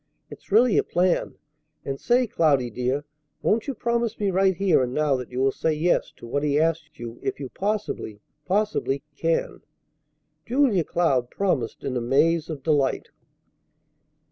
It's really a plan. And say, Cloudy, dear, won't you promise me right here and now that you will say 'Yes' to what he asks you if you possibly, possibly can?" Julia Cloud promised in a maze of delight.